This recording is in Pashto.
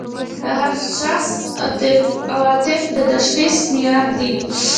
د هر شخص عواطف د تشخیص معیار دي.